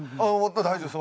大丈夫です。